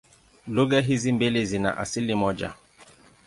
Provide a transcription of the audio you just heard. Lugha hizi mbili zina asili moja.